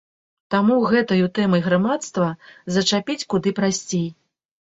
Таму гэтаю тэмай грамадства зачапіць куды прасцей.